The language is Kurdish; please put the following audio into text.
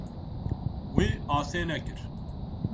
Wî asê nekir.